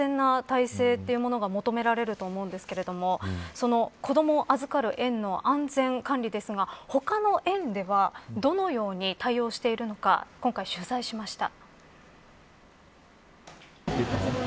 本当に万全な体制が求められると思うんですけどその子どもを預かる園の安全管理ですが他の園ではどのように対応しているのか今回、取材しました。